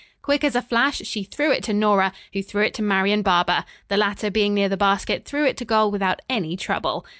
Quick as a flash she threw it to Nora, who threw it to Marian Barber. The latter being near the basket threw it to goal without any trouble.